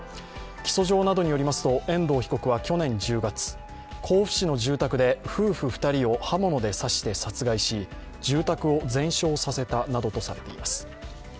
起訴状などによりますと遠藤被告は去年１０月、甲府市の住宅で夫婦２人を刃物で刺して殺害し住宅を全焼させたなどとされています。